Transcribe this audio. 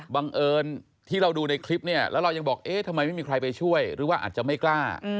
บังเอิญที่เราดูในคลิปเนี่ยแล้วเรายังบอกเอ๊ะทำไมไม่มีใครไปช่วยหรือว่าอาจจะไม่กล้า